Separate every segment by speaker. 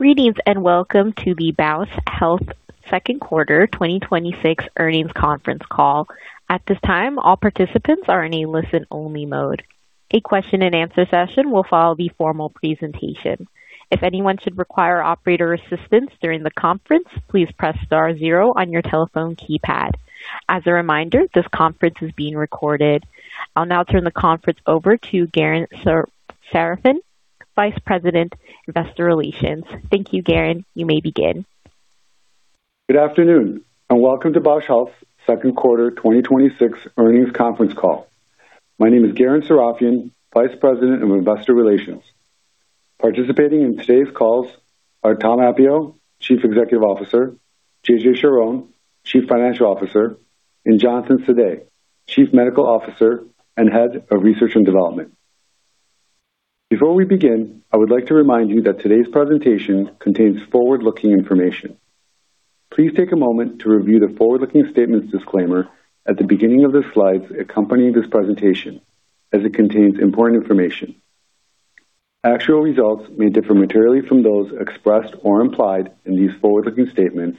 Speaker 1: Greetings, welcome to the Bausch Health second quarter 2026 earnings conference call. At this time, all participants are in a listen-only mode. A question and answer session will follow the formal presentation. If anyone should require operator assistance during the conference, please press star zero on your telephone keypad. As a reminder, this conference is being recorded. I'll now turn the conference over to Garen Sarafian, Vice President, Investor Relations. Thank you, Garen. You may begin.
Speaker 2: Good afternoon, welcome to Bausch Health second quarter 2026 earnings conference call. My name is Garen Sarafian, Vice President, Investor Relations. Participating in today's calls are Tom Appio, Chief Executive Officer, JJ Charhon, Chief Financial Officer, and Jonathan Sadeh, Chief Medical Officer and Head of Research and Development. Before we begin, I would like to remind you that today's presentation contains forward-looking information. Please take a moment to review the forward-looking statements disclaimer at the beginning of the slides accompanying this presentation, as it contains important information. Actual results may differ materially from those expressed or implied in these forward-looking statements,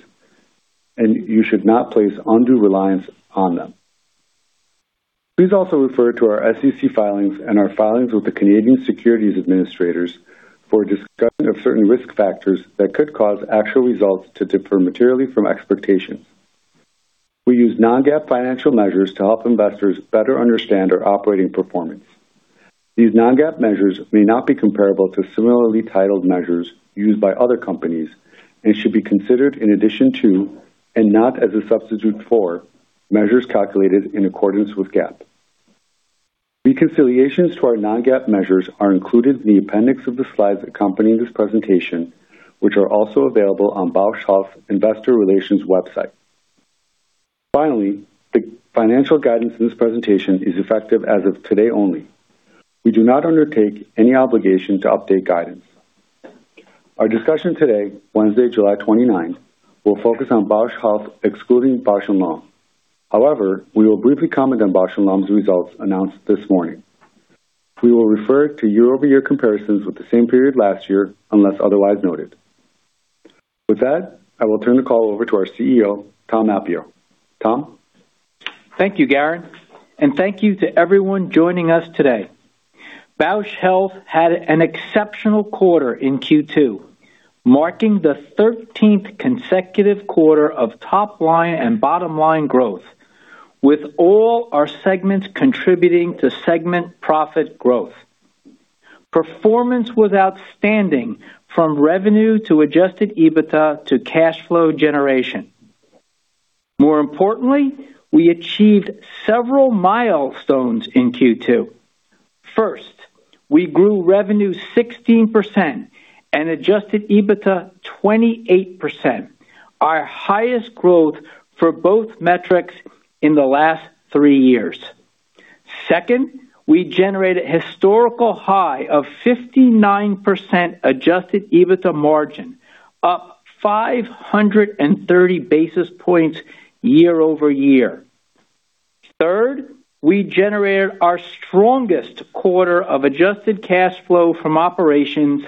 Speaker 2: and you should not place undue reliance on them. Please also refer to our SEC filings and our filings with the Canadian securities administrators for a discussion of certain risk factors that could cause actual results to differ materially from expectations. We use non-GAAP financial measures to help investors better understand our operating performance. These non-GAAP measures may not be comparable to similarly titled measures used by other companies and should be considered in addition to, and not as a substitute for, measures calculated in accordance with GAAP. Reconciliations to our non-GAAP measures are included in the appendix of the slides accompanying this presentation, which are also available on Bausch Health's investor relations website. Finally, the financial guidance in this presentation is effective as of today only. We do not undertake any obligation to update guidance. Our discussion today, Wednesday, July 29th, will focus on Bausch Health, excluding Bausch + Lomb. However, we will briefly comment on Bausch + Lomb's results announced this morning. We will refer to year-over-year comparisons with the same period last year, unless otherwise noted. With that, I will turn the call over to our CEO, Tom Appio. Tom?
Speaker 3: Thank you, Garen, and thank you to everyone joining us today. Bausch Health had an exceptional quarter in Q2, marking the 13th consecutive quarter of top line and bottom line growth, with all our segments contributing to segment profit growth. Performance was outstanding from revenue to adjusted EBITDA to cash flow generation. More importantly, we achieved several milestones in Q2. First, we grew revenue 16% and adjusted EBITDA 28%, our highest growth for both metrics in the last three years. Second, we generated historical high of 59% adjusted EBITDA margin, up 530 basis points year-over-year. Third, we generated our strongest quarter of adjusted cash flow from operations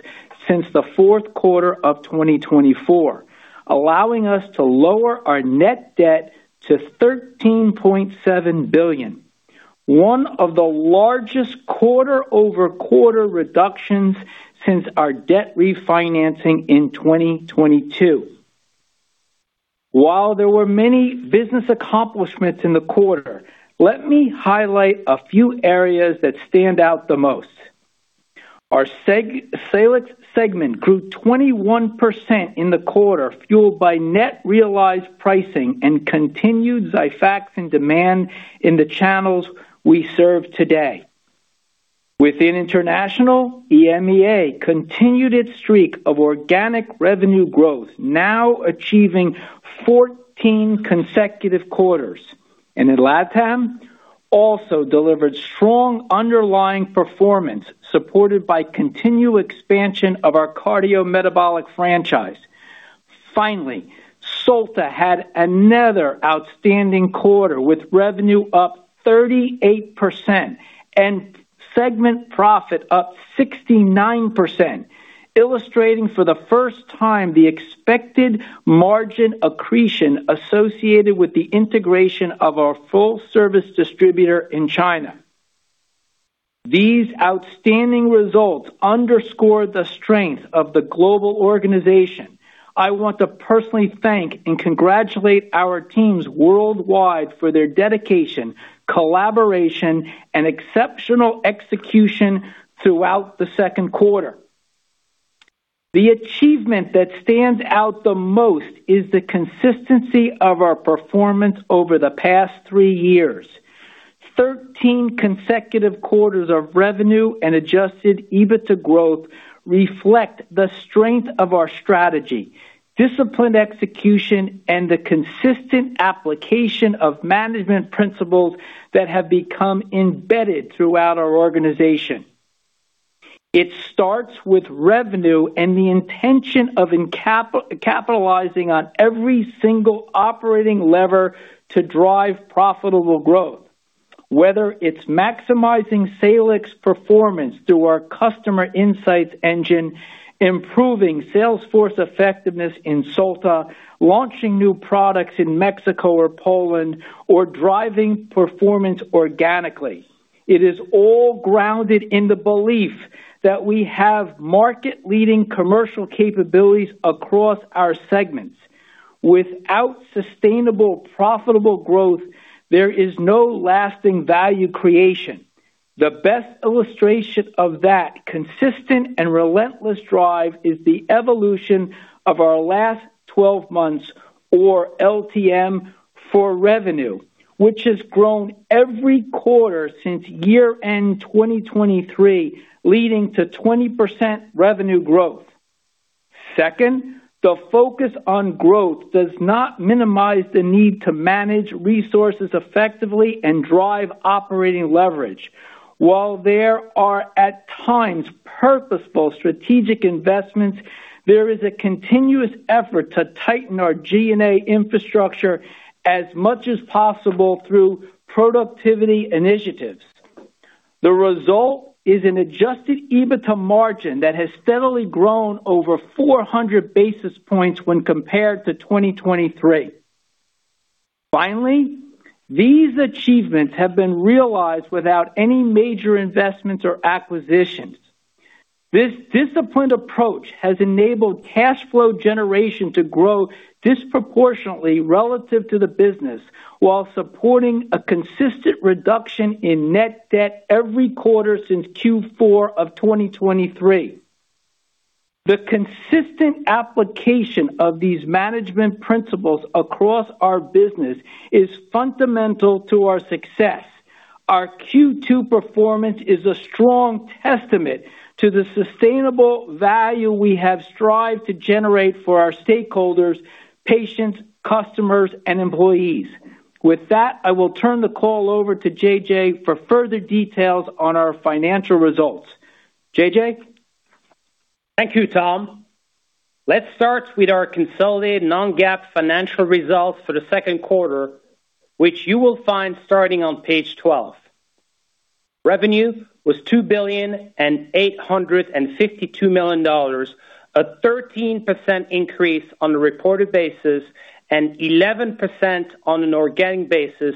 Speaker 3: since the fourth quarter of 2024, allowing us to lower our net debt to $13.7 billion, one of the largest quarter-over-quarter reductions since our debt refinancing in 2022. While there were many business accomplishments in the quarter, let me highlight a few areas that stand out the most. Our Salix segment grew 21% in the quarter, fueled by net realized pricing and continued XIFAXAN demand in the channels we serve today. Within international, EMEA continued its streak of organic revenue growth, now achieving 14 consecutive quarters. In LATAM, also delivered strong underlying performance, supported by continued expansion of our cardiometabolic franchise. Finally, Solta had another outstanding quarter, with revenue up 38% and segment profit up 69%, illustrating for the first time the expected margin accretion associated with the integration of our full service distributor in China. These outstanding results underscore the strength of the global organization. I want to personally thank and congratulate our teams worldwide for their dedication, collaboration, and exceptional execution throughout the second quarter. The achievement that stands out the most is the consistency of our performance over the past three years. 13 consecutive quarters of revenue and adjusted EBITDA growth reflect the strength of our strategy, disciplined execution, and the consistent application of management principles that have become embedded throughout our organization. It starts with revenue and the intention of capitalizing on every single operating lever to drive profitable growth. Whether it's maximizing Salix performance through our customer insights engine, improving salesforce effectiveness in Solta, launching new products in Mexico or Poland, or driving performance organically, it is all grounded in the belief that we have market-leading commercial capabilities across our segments. Without sustainable, profitable growth, there is no lasting value creation. The best illustration of that consistent and relentless drive is the evolution of our last 12 months, or LTM, for revenue, which has grown every quarter since year-end 2023, leading to 20% revenue growth. Second, the focus on growth does not minimize the need to manage resources effectively and drive operating leverage. While there are at times purposeful strategic investments, there is a continuous effort to tighten our G&A infrastructure as much as possible through productivity initiatives. The result is an adjusted EBITDA margin that has steadily grown over 400 basis points when compared to 2023. Finally, these achievements have been realized without any major investments or acquisitions. This disciplined approach has enabled cash flow generation to grow disproportionately relative to the business while supporting a consistent reduction in net debt every quarter since Q4 of 2023. The consistent application of these management principles across our business is fundamental to our success. Our Q2 performance is a strong testament to the sustainable value we have strived to generate for our stakeholders, patients, customers, and employees. With that, I will turn the call over to JJ for further details on our financial results. JJ?
Speaker 4: Thank you, Tom. Let's start with our consolidated non-GAAP financial results for the second quarter, which you will find starting on page 12. Revenue was $2.852 billion, a 13% increase on a reported basis and 11% on an organic basis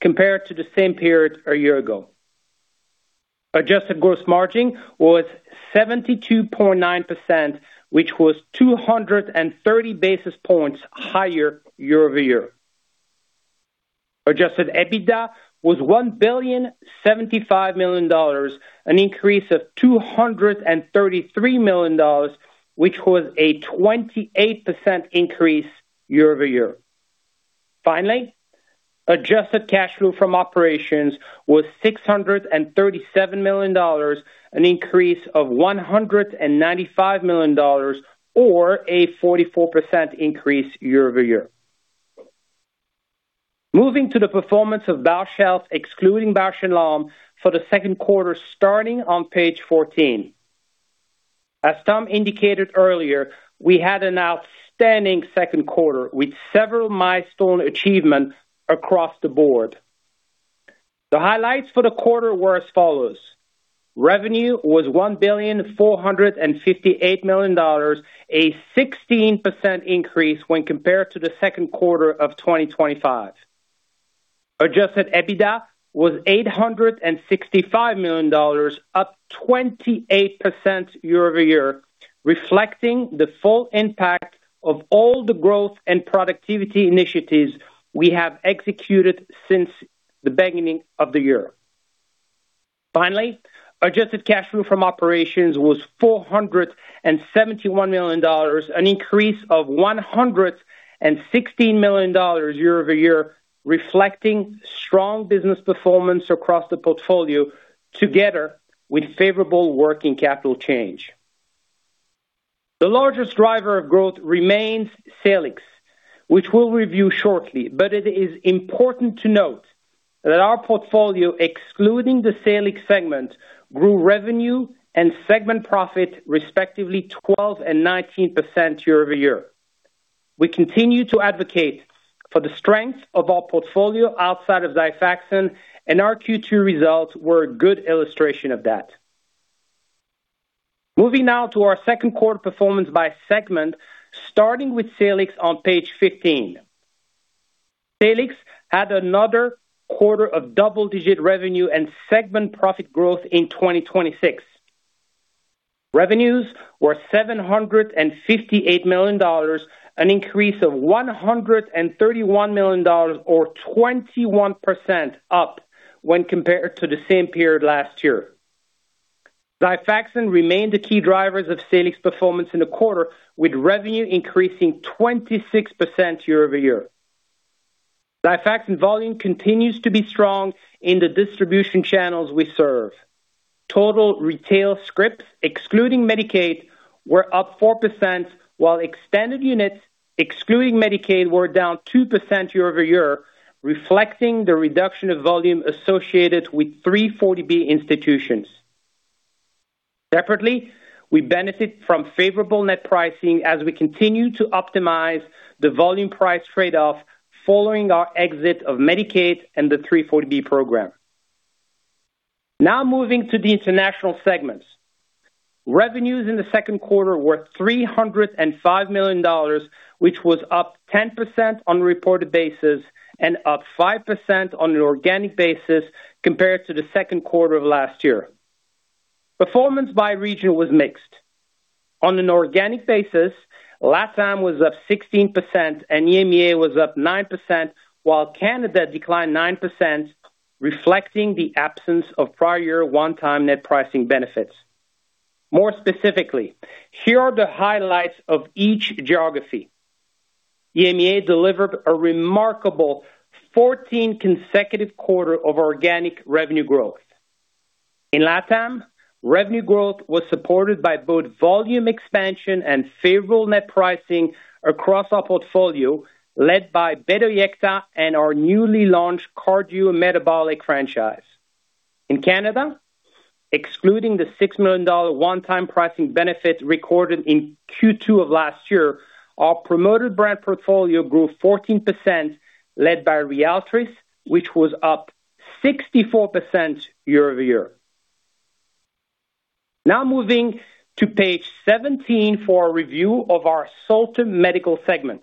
Speaker 4: compared to the same period a year ago. Adjusted gross margin was 72.9%, which was 230 basis points higher year-over-year. Adjusted EBITDA was $1.075 billion, an increase of $233 million, which was a 28% increase year-over-year. Finally, adjusted cash flow from operations was $637 million, an increase of $195 million, or a 44% increase year-over-year. Moving to the performance of Bausch Health, excluding Bausch + Lomb, for the second quarter starting on page 14. As Tom indicated earlier, we had an outstanding second quarter with several milestone achievements across the board. The highlights for the quarter were as follows: revenue was $1.458 billion, a 16% increase when compared to the second quarter of 2025. Adjusted EBITDA was $865 million, up 28% year-over-year, reflecting the full impact of all the growth and productivity initiatives we have executed since the beginning of the year. Finally, adjusted cash flow from operations was $471 million, an increase of $116 million year-over-year, reflecting strong business performance across the portfolio together with favorable working capital change. The largest driver of growth remains Salix, which we will review shortly. It is important to note that our portfolio, excluding the Salix segment, grew revenue and segment profit respectively 12% and 19% year-over-year. We continue to advocate for the strength of our portfolio outside of XIFAXAN, and our Q2 results were a good illustration of that. Moving now to our second quarter performance by segment, starting with Salix on page 15. Salix had another quarter of double-digit revenue and segment profit growth in 2026. Revenues were $758 million, an increase of $131 million or 21% up when compared to the same period last year. XIFAXAN remained the key drivers of Salix performance in the quarter, with revenue increasing 26% year-over-year. XIFAXAN volume continues to be strong in the distribution channels we serve. Total retail scripts, excluding Medicaid, were up 4%, while extended units, excluding Medicaid, were down 2% year-over-year, reflecting the reduction of volume associated with 340B institutions. Separately, we benefit from favorable net pricing as we continue to optimize the volume price trade-off following our exit of Medicaid and the 340B program. Now moving to the international segments. Revenues in the second quarter were $305 million, which was up 10% on a reported basis and up 5% on an organic basis compared to the second quarter of last year. Performance by region was mixed. On an organic basis, LATAM was up 16% and EMEA was up 9%, while Canada declined 9%, reflecting the absence of prior year one-time net pricing benefits. More specifically, here are the highlights of each geography. EMEA delivered a remarkable 14 consecutive quarter of organic revenue growth. In LATAM, revenue growth was supported by both volume expansion and favorable net pricing across our portfolio, led by BETREYKTA and our newly launched cardiometabolic franchise. In Canada, excluding the $6 million one-time pricing benefit recorded in Q2 of last year, our promoted brand portfolio grew 14%, led by RYALTRIS, which was up 64% year-over-year. Moving to page 17 for a review of our Solta Medical segment.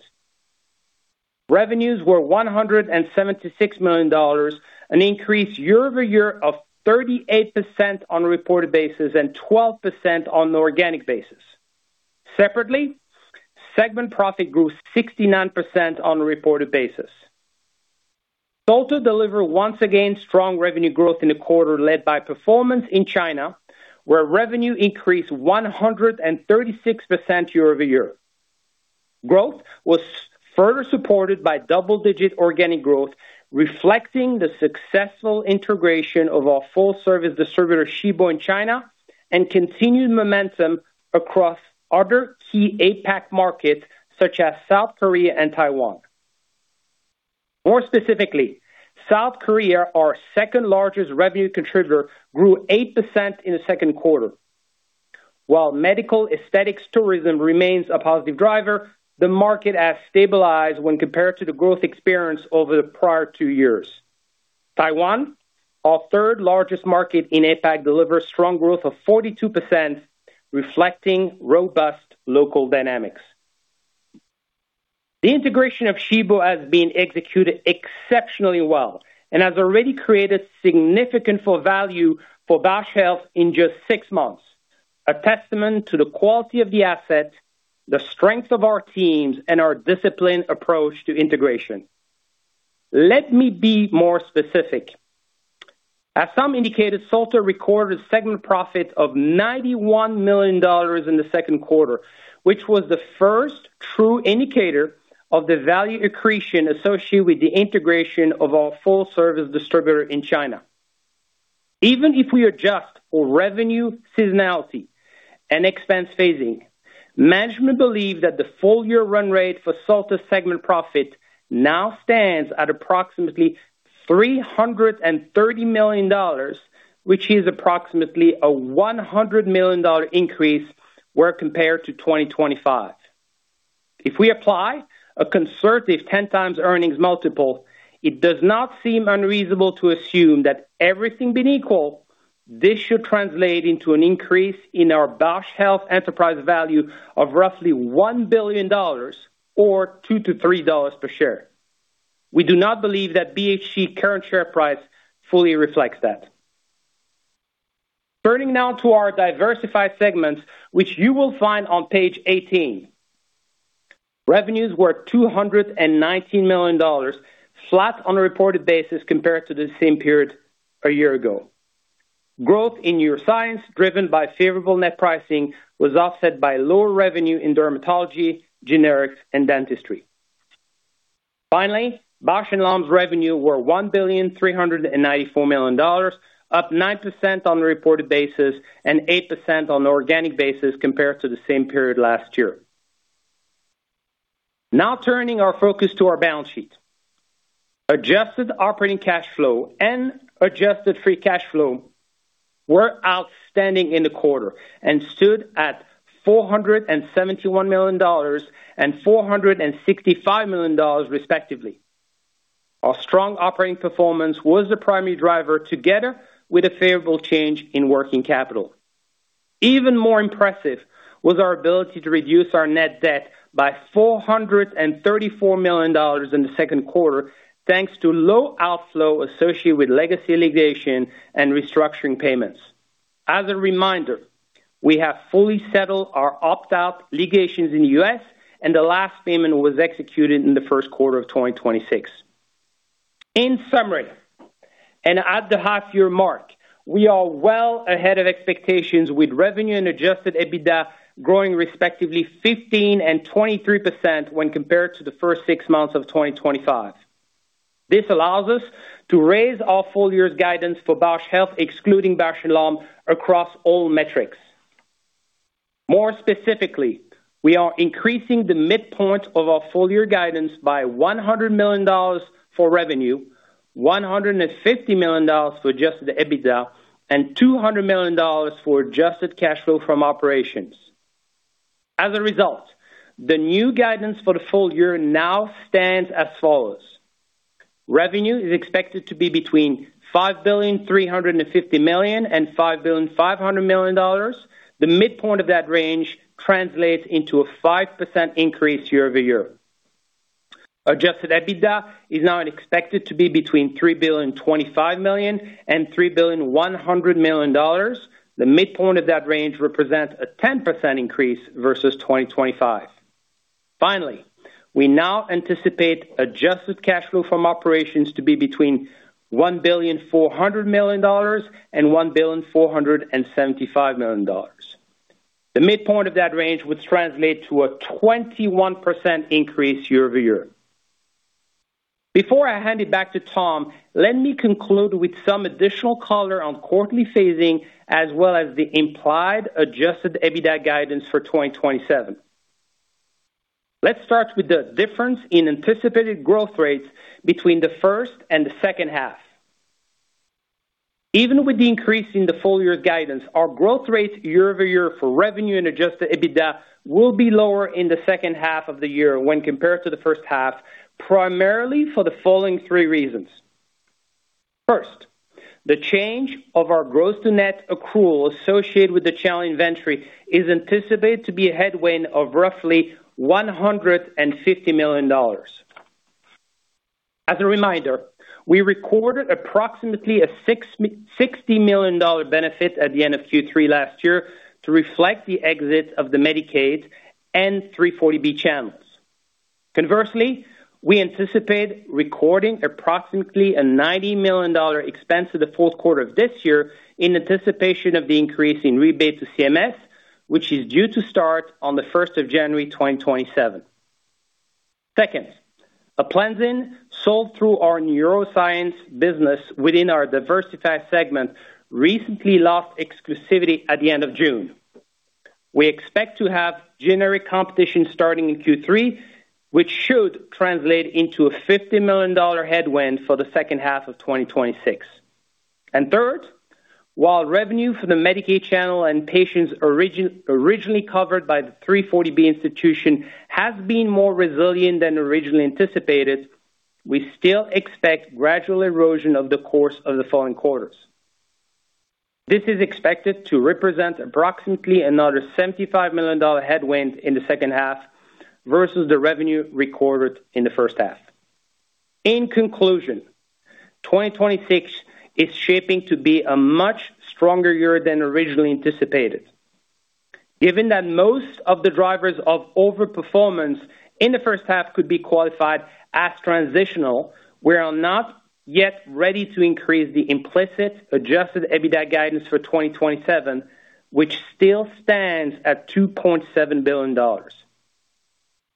Speaker 4: Revenues were $176 million, an increase year-over-year of 38% on a reported basis and 12% on an organic basis. Separately, segment profit grew 69% on a reported basis. Solta delivered once again strong revenue growth in the quarter, led by performance in China, where revenue increased 136% year-over-year. Growth was further supported by double-digit organic growth, reflecting the successful integration of our full service distributor, Shibo, in China, and continued momentum across other key APAC markets such as South Korea and Taiwan. More specifically, South Korea, our second-largest revenue contributor, grew 8% in the second quarter. While medical aesthetics tourism remains a positive driver, the market has stabilized when compared to the growth experience over the prior two years. Taiwan, our third-largest market in APAC, delivered strong growth of 42%, reflecting robust local dynamics. The integration of Shibo has been executed exceptionally well and has already created significant full value for Bausch Health in just six months, a testament to the quality of the asset, the strength of our teams, and our disciplined approach to integration. Let me be more specific. As Tom indicated, Solta recorded segment profit of $91 million in the second quarter, which was the first true indicator of the value accretion associated with the integration of our full service distributor in China. Even if we adjust for revenue seasonality and expense phasing, management believe that the full-year run rate for Solta segment profit now stands at approximately $330 million, which is approximately a $100 million increase where compared to 2025. If we apply a conservative 10 times earnings multiple, it does not seem unreasonable to assume that everything being equal, this should translate into an increase in our Bausch Health enterprise value of roughly $1 billion or $2 to $3 per share. We do not believe that BHC current share price fully reflects that. Turning now to our diversified segments, which you will find on page 18. Revenues were $219 million, flat on a reported basis compared to the same period a year ago. Growth in neuroscience, driven by favorable net pricing, was offset by lower revenue in dermatology, generics, and dentistry. Finally, Bausch + Lomb's revenue were $1,394,000,000, up 9% on a reported basis and 8% on an organic basis compared to the same period last year. Now turning our focus to our balance sheet. Adjusted operating cash flow and adjusted free cash flow were outstanding in the quarter and stood at $471 million and $465 million, respectively. Our strong operating performance was the primary driver, together with a favorable change in working capital. Even more impressive was our ability to reduce our net debt by $434 million in the second quarter, thanks to low outflow associated with legacy litigation and restructuring payments. As a reminder, we have fully settled our opt-out litigations in the U.S., and the last payment was executed in the first quarter of 2026. In summary, at the half year mark, we are well ahead of expectations with revenue and adjusted EBITDA growing respectively 15% and 23% when compared to the first six months of 2025. This allows us to raise our full year's guidance for Bausch Health, excluding Bausch + Lomb, across all metrics. More specifically, we are increasing the midpoint of our full-year guidance by $100 million for revenue, $150 million for adjusted EBITDA, and $200 million for adjusted cash flow from operations. As a result, the new guidance for the full year now stands as follows: Revenue is expected to be between $5,350,000,000 and $5,500,000,000. The midpoint of that range translates into a 5% increase year-over-year. Adjusted EBITDA is now expected to be between $3,025,000,000 and $3,100,000,000. The midpoint of that range represents a 10% increase versus 2025. Finally, we now anticipate adjusted cash flow from operations to be between $1,400,000,000 and $1,475,000,000. The midpoint of that range would translate to a 21% increase year-over-year. Before I hand it back to Tom, let me conclude with some additional color on quarterly phasing, as well as the implied adjusted EBITDA guidance for 2027. Let's start with the difference in anticipated growth rates between the first and the second half. Even with the increase in the full-year guidance, our growth rates year-over-year for revenue and adjusted EBITDA will be lower in the second half of the year when compared to the first half, primarily for the following three reasons. First, the change of our gross to net accrual associated with the channel inventory is anticipated to be a headwind of roughly $150 million. As a reminder, we recorded approximately a $60 million benefit at the end of Q3 last year to reflect the exit of the Medicaid and 340B channels. Conversely, we anticipate recording approximately a $90 million expense in the fourth quarter of this year in anticipation of the increase in rebate to CMS, which is due to start on the 1st of January 2027. Second, Aplenzin, sold through our neuroscience business within our diversified segment, recently lost exclusivity at the end of June. We expect to have generic competition starting in Q3, which should translate into a $50 million headwind for the second half of 2026. Third, while revenue for the Medicaid channel and patients originally covered by the 340B institution has been more resilient than originally anticipated, we still expect gradual erosion over the course of the following quarters. This is expected to represent approximately another $75 million headwind in the second half versus the revenue recorded in the first half. In conclusion, 2026 is shaping to be a much stronger year than originally anticipated. Given that most of the drivers of over-performance in the first half could be qualified as transitional, we are not yet ready to increase the implicit adjusted EBITDA guidance for 2027, which still stands at $2.7 billion.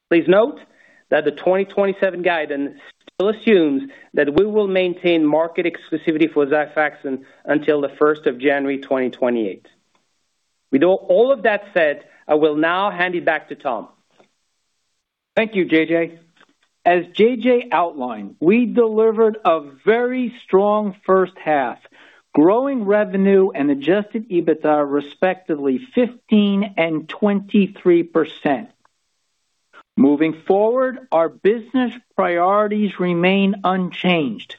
Speaker 4: Please note that the 2027 guidance still assumes that we will maintain market exclusivity for XIFAXAN until the 1st of January 2028. With all of that said, I will now hand it back to Tom.
Speaker 3: Thank you, JJ. As JJ outlined, we delivered a very strong first half, growing revenue and adjusted EBITDA respectively 15% and 23%. Moving forward, our business priorities remain unchanged.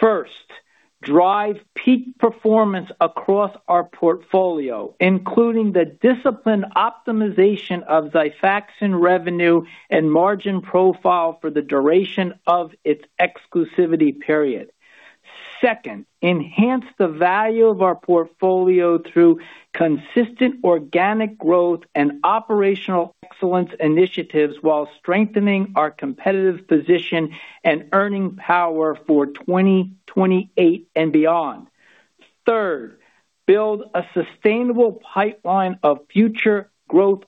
Speaker 3: First, drive peak performance across our portfolio, including the disciplined optimization of XIFAXAN revenue and margin profile for the duration of its exclusivity period. Second, enhance the value of our portfolio through consistent organic growth and operational excellence initiatives while strengthening our competitive position and earning power for 2028 and beyond. Third, build a sustainable pipeline of future growth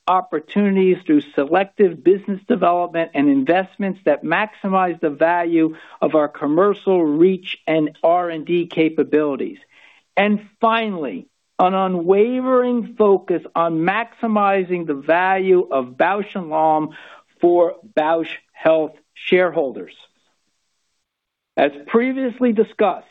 Speaker 3: opportunities through selective business development and investments that maximize the value of our commercial reach and R&D capabilities. Finally, an unwavering focus on maximizing the value of Bausch + Lomb for Bausch Health shareholders. As previously discussed,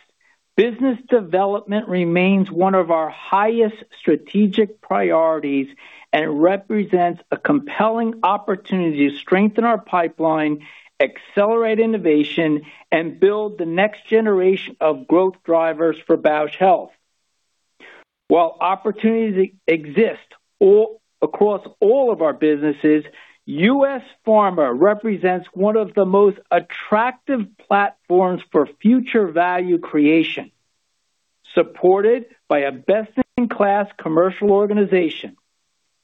Speaker 3: business development remains one of our highest strategic priorities and represents a compelling opportunity to strengthen our pipeline, accelerate innovation, and build the next generation of growth drivers for Bausch Health. While opportunities exist across all of our businesses, U.S. Pharma represents one of the most attractive platforms for future value creation, supported by a best-in-class commercial organization,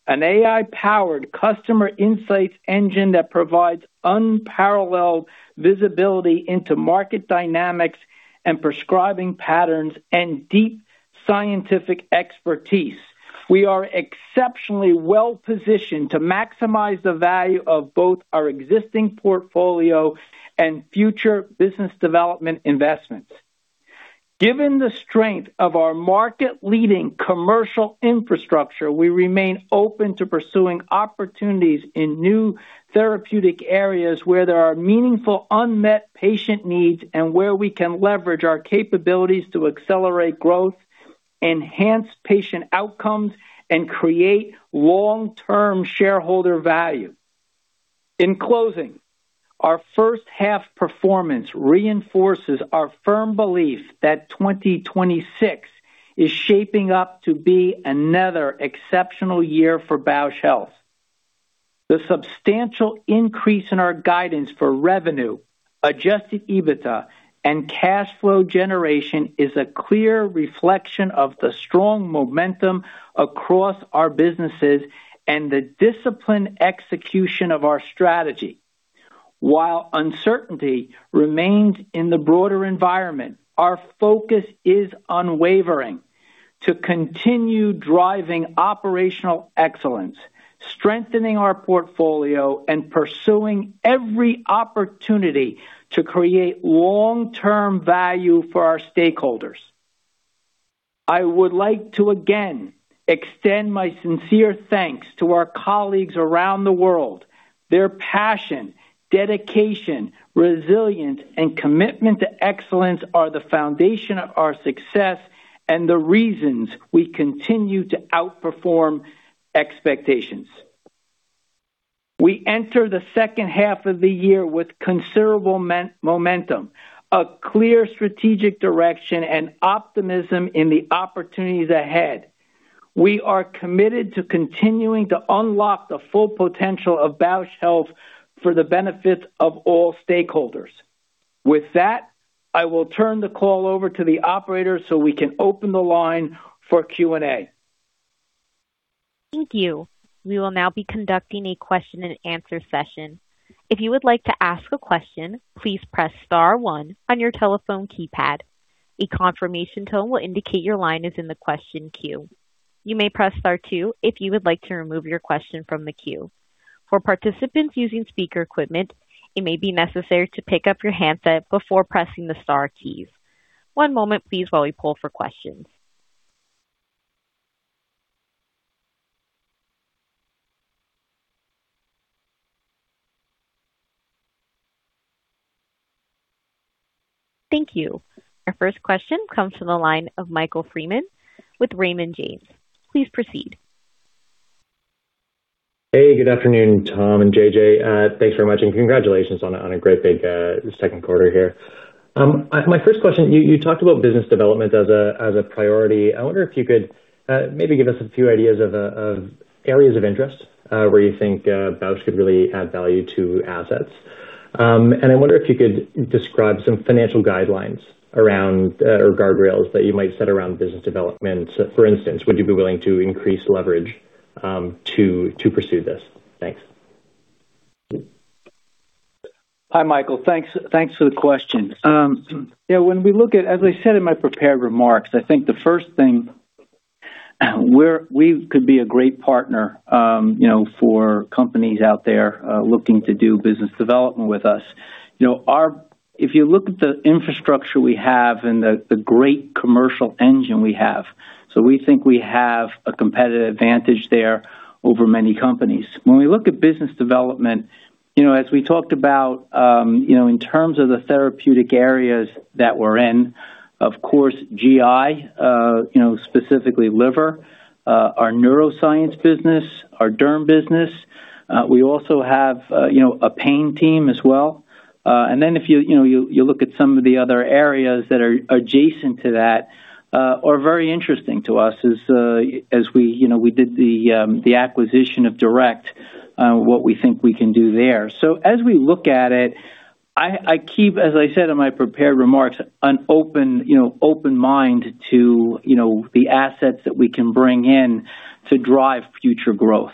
Speaker 3: an AI-powered customer insights engine that provides unparalleled visibility into market dynamics and prescribing patterns, and deep scientific expertise. We are exceptionally well-positioned to maximize the value of both our existing portfolio and future business development investments. Given the strength of our market-leading commercial infrastructure, we remain open to pursuing opportunities in new therapeutic areas where there are meaningful unmet patient needs, and where we can leverage our capabilities to accelerate growth, enhance patient outcomes, and create long-term shareholder value. In closing, our first half performance reinforces our firm belief that 2026 is shaping up to be another exceptional year for Bausch Health. The substantial increase in our guidance for revenue, adjusted EBITDA, and cash flow generation is a clear reflection of the strong momentum across our businesses and the disciplined execution of our strategy. While uncertainty remains in the broader environment, our focus is unwavering to continue driving operational excellence, strengthening our portfolio, and pursuing every opportunity to create long-term value for our stakeholders. I would like to again extend my sincere thanks to our colleagues around the world. Their passion, dedication, resilience, and commitment to excellence are the foundation of our success, and the reasons we continue to outperform expectations. We enter the second half of the year with considerable momentum, a clear strategic direction, and optimism in the opportunities ahead. We are committed to continuing to unlock the full potential of Bausch Health for the benefit of all stakeholders. With that, I will turn the call over to the operator so we can open the line for Q&A.
Speaker 1: Thank you. We will now be conducting a question and answer session. If you would like to ask a question, please press star one on your telephone keypad. A confirmation tone will indicate your line is in the question queue. You may press star two if you would like to remove your question from the queue. For participants using speaker equipment, it may be necessary to pick up your handset before pressing the star keys. One moment please while we pull for questions. Thank you. Our first question comes from the line of Michael Freeman with Raymond James. Please proceed.
Speaker 5: Hey, good afternoon, Tom and JJ. Thanks very much. Congratulations on a great big second quarter here. My first question, you talked about business development as a priority. I wonder if you could maybe give us a few ideas of areas of interest where you think Bausch could really add value to assets. I wonder if you could describe some financial guidelines around, or guardrails that you might set around business development. For instance, would you be willing to increase leverage to pursue this? Thanks.
Speaker 3: Hi, Michael. Thanks for the question. As I said in my prepared remarks, I think the first thing, we could be a great partner for companies out there looking to do business development with us. If you look at the infrastructure we have and the great commercial engine we have, we think we have a competitive advantage there over many companies. When we look at business development, as we talked about in terms of the therapeutic areas that we're in, of course, GI, specifically liver, our neuroscience business, our derm business. We also have a pain team as well. Then if you look at some of the other areas that are adjacent to that are very interesting to us as we did the acquisition of DURECT, what we think we can do there. As we look at it, I keep, as I said in my prepared remarks, an open mind to the assets that we can bring in to drive future growth.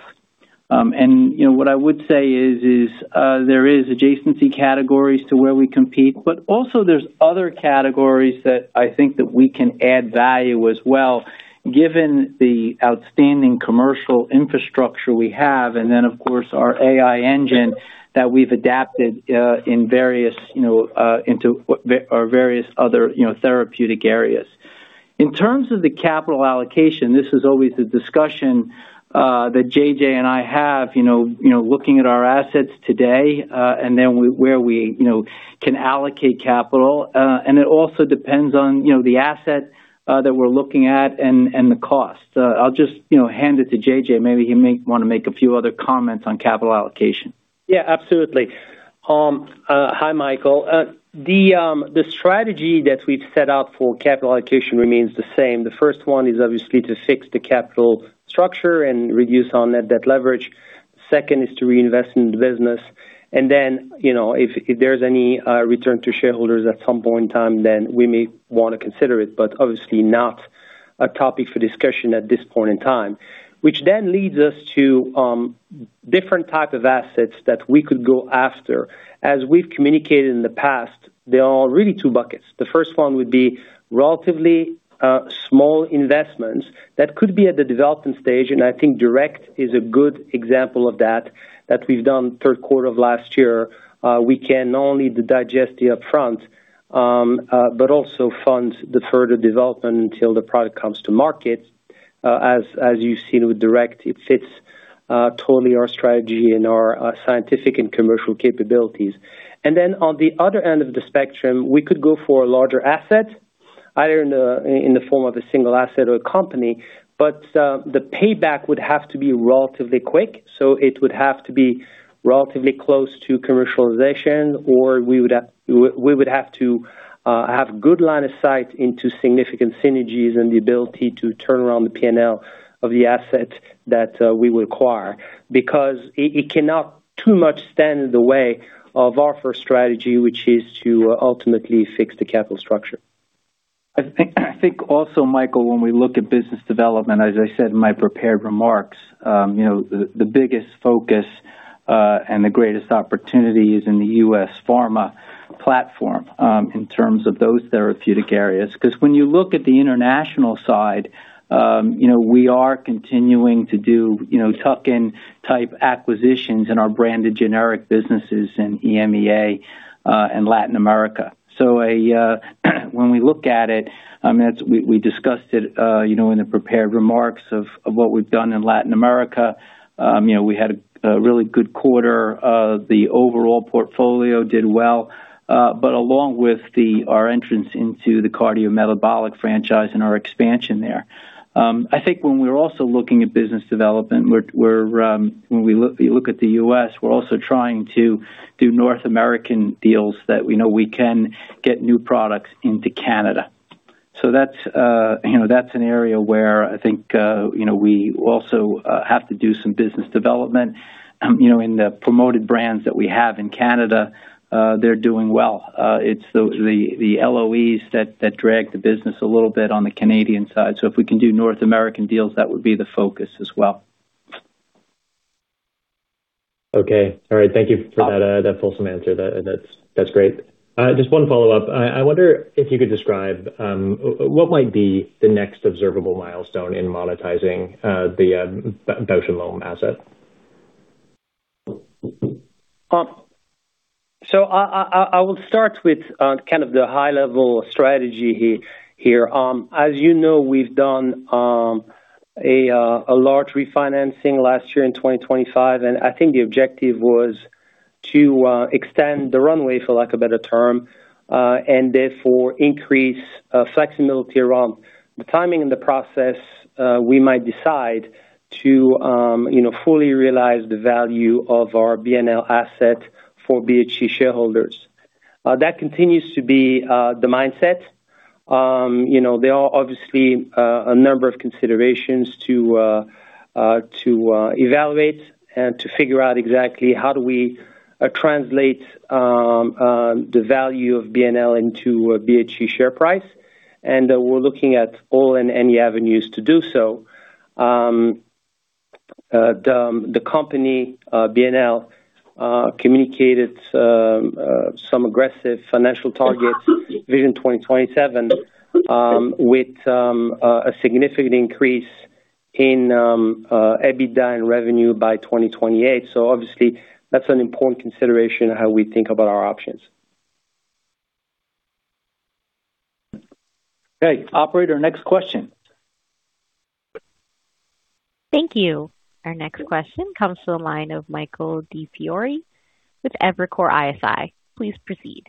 Speaker 3: What I would say is, there is adjacency categories to where we compete, but also there's other categories that I think that we can add value as well given the outstanding commercial infrastructure we have, of course our AI engine that we've adapted into our various other therapeutic areas. In terms of the capital allocation, this is always a discussion that JJ and I have looking at our assets today, where we can allocate capital. It also depends on the asset that we're looking at and the cost. I'll just hand it to JJ Maybe he may want to make a few other comments on capital allocation.
Speaker 4: Yeah, absolutely. Hi, Michael. The strategy that we've set out for capital allocation remains the same. The first one is obviously to fix the capital structure and reduce on net debt leverage. Second is to reinvest in the business. If there's any return to shareholders at some point in time, we may want to consider it, but obviously not a topic for discussion at this point in time, which leads us to different type of assets that we could go after. As we've communicated in the past, there are really two buckets. The first one would be relatively small investments that could be at the development stage, and I think DURECT is a good example of that we've done third quarter of last year. We can not only digest the upfront, but also fund the further development until the product comes to market. As you've seen with DURECT, it fits totally our strategy and our scientific and commercial capabilities. On the other end of the spectrum, we could go for a larger asset, either in the form of a single asset or a company. The payback would have to be relatively quick, so it would have to be relatively close to commercialization, or we would have to have good line of sight into significant synergies and the ability to turn around the P&L of the asset that we will acquire. Because it cannot too much stand in the way of our first strategy, which is to ultimately fix the capital structure.
Speaker 3: I think also, Michael, when we look at business development, as I said in my prepared remarks the biggest focus and the greatest opportunity is in the U.S. pharma platform, in terms of those therapeutic areas. When you look at the international side we are continuing to do tuck-in type acquisitions in our branded generic businesses in EMEA and Latin America. When we look at it, we discussed it in the prepared remarks of what we've done in Latin America. We had a really good quarter. The overall portfolio did well. Along with our entrance into the cardiometabolic franchise and our expansion there. I think when we're also looking at business development, when we look at the U.S., we're also trying to do North American deals that we know we can get new products into Canada. That's an area where I think we also have to do some business development. In the promoted brands that we have in Canada, they're doing well. It's the LOEs that drag the business a little bit on the Canadian side. If we can do North American deals, that would be the focus as well.
Speaker 5: Okay. All right. Thank you for that fulsome answer. That's great. Just one follow-up. I wonder if you could describe what might be the next observable milestone in monetizing the Bausch + Lomb asset.
Speaker 4: I will start with kind of the high-level strategy here. As you know, we've done a large refinancing last year in 2025, and I think the objective was to extend the runway, for lack of a better term, and therefore increase flexibility around the timing and the process we might decide to fully realize the value of our B+L asset for BHC shareholders. That continues to be the mindset. There are obviously a number of considerations to evaluate and to figure out exactly how do we translate the value of B+L into a BHC share price, and we're looking at all and any avenues to do so. The company, B+L, communicated some aggressive financial targets Vision 2027 with a significant increase in EBITDA and revenue by 2028. Obviously, that's an important consideration in how we think about our options.
Speaker 3: Okay. Operator, next question.
Speaker 1: Thank you. Our next question comes to the line of Michael DiFiore with Evercore ISI. Please proceed.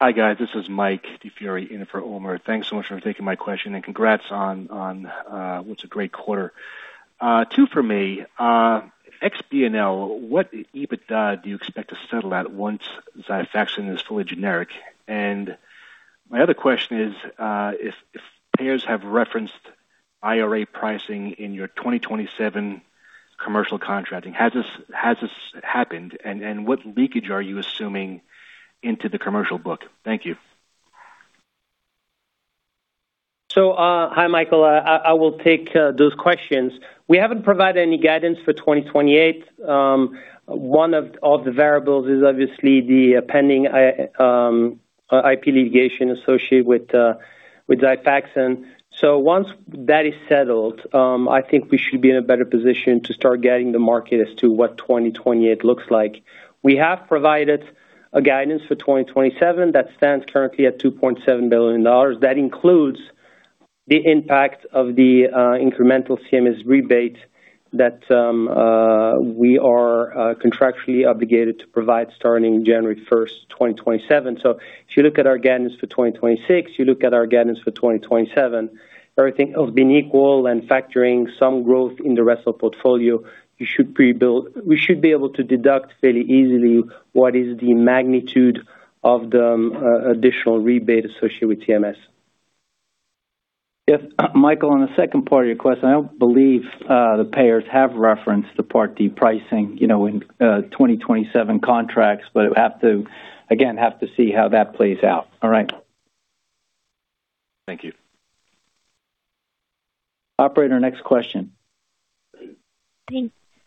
Speaker 6: Hi, guys. This is Mike DiFiore in for Umer. Thanks so much for taking my question, and congrats on what's a great quarter. Two from me. Ex B+L, what EBITDA do you expect to settle at once Xifaxan is fully generic? My other question is, if payers have referenced IRA pricing in your 2027 commercial contracting, has this happened, and what leakage are you assuming into the commercial book? Thank you.
Speaker 4: Hi, Michael. I will take those questions. We haven't provided any guidance for 2028. One of the variables is obviously the pending IP litigation associated with Xifaxan. Once that is settled, I think we should be in a better position to start getting the market as to what 2028 looks like. We have provided a guidance for 2027 that stands currently at $2.7 billion. That includes the impact of the incremental CMS rebate that we are contractually obligated to provide starting January 1st, 2027. If you look at our guidance for 2026, you look at our guidance for 2027, everything else being equal and factoring some growth in the rest of portfolio, we should be able to deduct fairly easily what is the magnitude of the additional rebate associated with CMS.
Speaker 3: Michael, on the second part of your question, I don't believe the payers have referenced the Part D pricing in 2027 contracts, we have to see how that plays out. All right.
Speaker 6: Thank you.
Speaker 3: Operator, next question.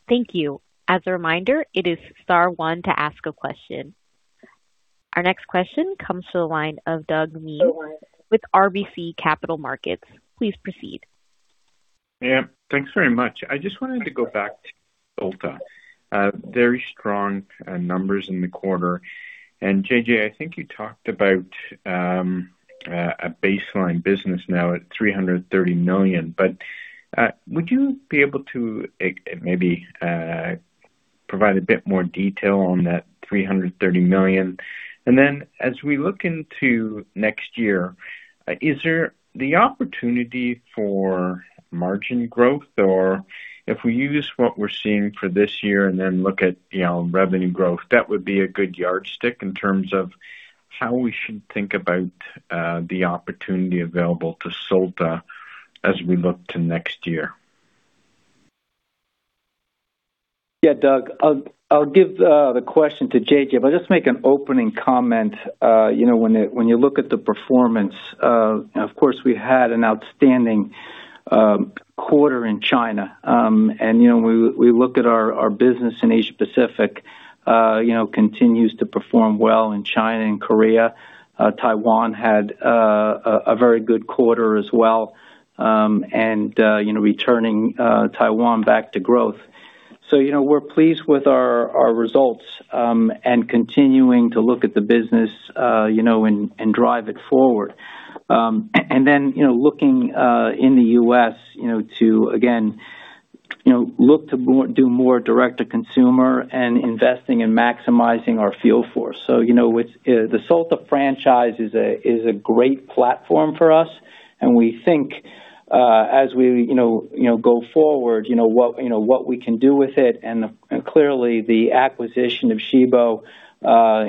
Speaker 1: Thank you. As a reminder, it is star one to ask a question. Our next question comes to the line of Doug Miehm with RBC Capital Markets. Please proceed.
Speaker 7: Thanks very much. I just wanted to go back to Solta. Very strong numbers in the quarter. JJ, I think you talked about a baseline business now at $330 million. Would you be able to maybe provide a bit more detail on that $330 million? Then as we look into next year, is there the opportunity for margin growth? If we use what we're seeing for this year then look at revenue growth, that would be a good yardstick in terms of how we should think about the opportunity available to Solta as we look to next year.
Speaker 3: Doug, I'll give the question to JJ, but just make an opening comment. When you look at the performance, of course, we had an outstanding quarter in China. We look at our business in Asia Pacific, continues to perform well in China and Korea. Taiwan had a very good quarter as well, and returning Taiwan back to growth. We're pleased with our results, and continuing to look at the business, and drive it forward. Looking in the U.S., to again, look to do more direct to consumer and investing in maximizing our field force. The Solta franchise is a great platform for us, and we think, as we go forward, what we can do with it and clearly the acquisition of Shibo,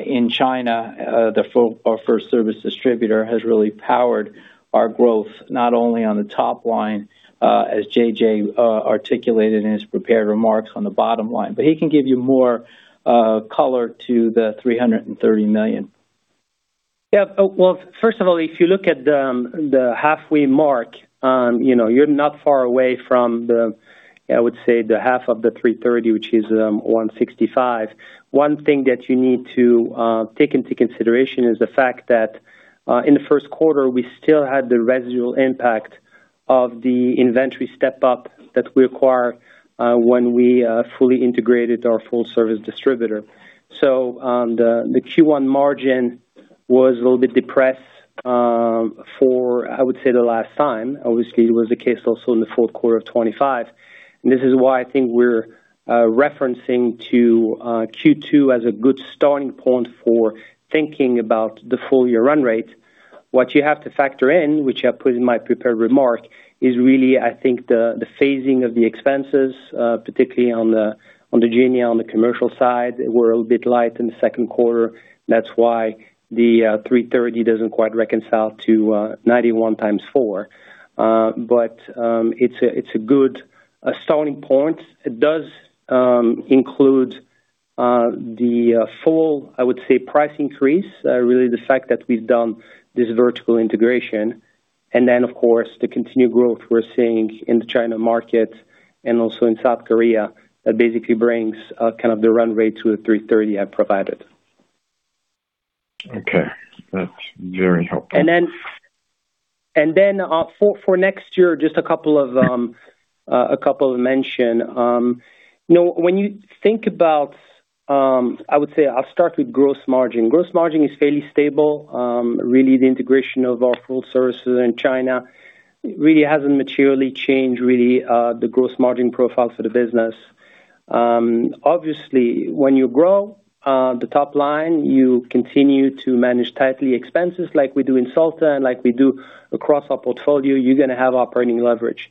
Speaker 3: in China, our first service distributor, has really powered our growth, not only on the top line, as JJ articulated in his prepared remarks on the bottom line. He can give you more color to the $330 million.
Speaker 4: Well, first of all, if you look at the halfway mark, you're not far away from the, I would say the half of the $330, which is, $165. One thing that you need to take into consideration is the fact that, in the first quarter, we still had the residual impact of the inventory step up that we acquire when we fully integrated our full service distributor. The Q1 margin was a little bit depressed for, I would say, the last time. Obviously, it was the case also in the fourth quarter of 2025. This is why I think we're referencing to Q2 as a good starting point for thinking about the full-year run rate. What you have to factor in, which I put in my prepared remark, is really, I think, the phasing of the expenses, particularly on the JNI on the commercial side. We're a bit light in the second quarter. That's why the $330 doesn't quite reconcile to 91 times four. It's a good starting point. It does include the full, I would say, price increase, really the fact that we've done this vertical integration. Of course, the continued growth we're seeing in the China market and also in South Korea, that basically brings kind of the run rate to the $330 I provided.
Speaker 7: Okay. That's very helpful.
Speaker 4: For next year, just a couple of mention. When you think about, I'll start with gross margin. Gross margin is fairly stable. Really the integration of our full services in China really hasn't materially changed really, the gross margin profile for the business. Obviously, when you grow, the top line, you continue to manage tightly expenses like we do in Solta and like we do across our portfolio. You're going to have operating leverage.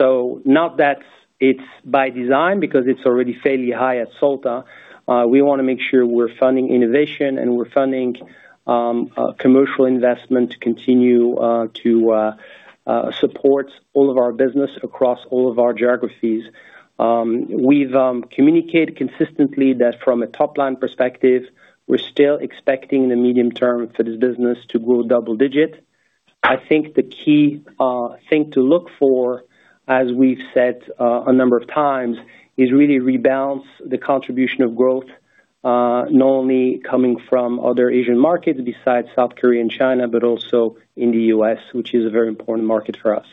Speaker 4: Not that it's by design, because it's already fairly high at Solta. We want to make sure we're funding innovation and we're funding commercial investment to continue to support all of our business across all of our geographies. We've communicated consistently that from a top-line perspective, we're still expecting the medium term for this business to grow double-digit. I think the key thing to look for, as we've said, a number of times, is really rebalance the contribution of growth, not only coming from other Asian markets besides South Korea and China, but also in the U.S., which is a very important market for us.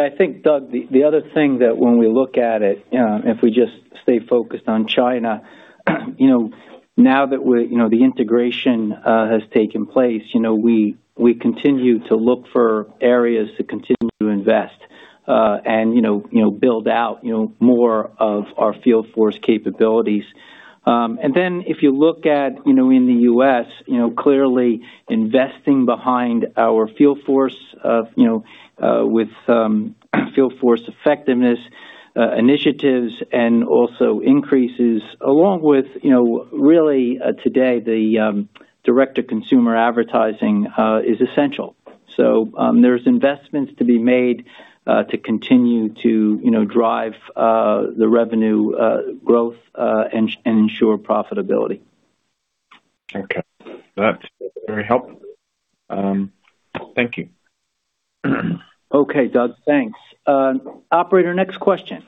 Speaker 3: I think, Doug, the other thing that when we look at it, if we just stay focused on China, now that the integration has taken place, we continue to look for areas to continue to invest, and build out more of our field force capabilities. If you look at in the U.S., clearly investing behind our field force with field force effectiveness initiatives and also increases along with today the direct-to-consumer advertising, is essential. There's investments to be made to continue to drive the revenue growth, and ensure profitability.
Speaker 7: Okay. That's very helpful. Thank you.
Speaker 3: Okay. Doug. Thanks. Operator, next question.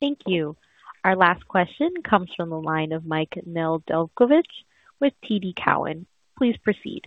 Speaker 1: Thank you. Our last question comes from the line of Mike Nedelcovych with TD Cowen. Please proceed.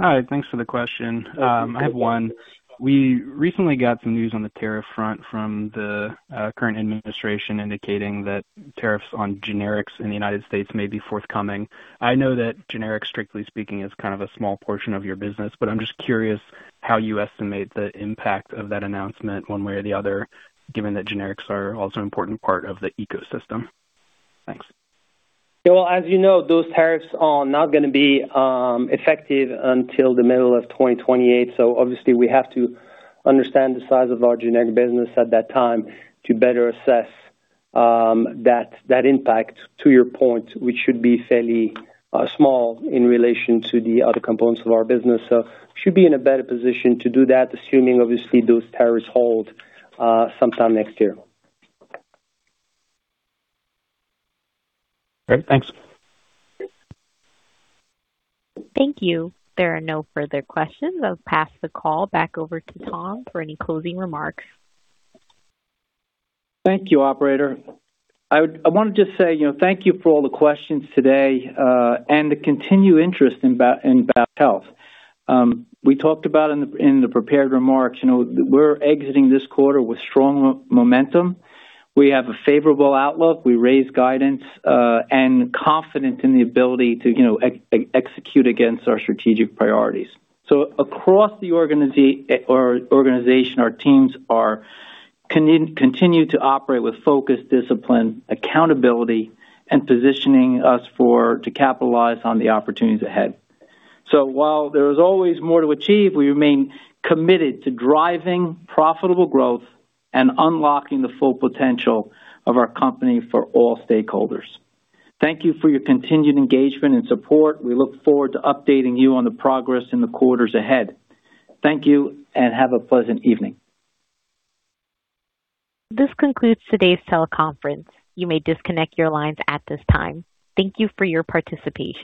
Speaker 8: Hi. Thanks for the question. I have one. We recently got some news on the tariff front from the current administration indicating that tariffs on generics in the United States may be forthcoming. I know that generics, strictly speaking, is kind of a small portion of your business, but I'm just curious how you estimate the impact of that announcement one way or the other, given that generics are also an important part of the ecosystem. Thanks.
Speaker 4: Yeah. Well, as you know, those tariffs are not going to be effective until the middle of 2028. Obviously, we have to understand the size of our generic business at that time to better assess that impact, to your point, which should be fairly small in relation to the other components of our business. Should be in a better position to do that, assuming obviously those tariffs hold, sometime next year.
Speaker 8: Great. Thanks.
Speaker 1: Thank you. There are no further questions. I'll pass the call back over to Tom for any closing remarks.
Speaker 3: Thank you, Operator. I want to just say thank you for all the questions today, and the continued interest in Bausch Health. We talked about in the prepared remarks, we're exiting this quarter with strong momentum. We have a favorable outlook. We raised guidance, and confident in the ability to execute against our strategic priorities. Across the organization, our teams continue to operate with focus, discipline, accountability, and positioning us to capitalize on the opportunities ahead. While there is always more to achieve, we remain committed to driving profitable growth and unlocking the full potential of our company for all stakeholders. Thank you for your continued engagement and support. We look forward to updating you on the progress in the quarters ahead. Thank you and have a pleasant evening.
Speaker 1: This concludes today's teleconference. You may disconnect your lines at this time. Thank you for your participation.